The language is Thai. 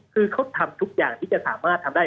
คือเขาทำทุกอย่างที่จะสามารถทำได้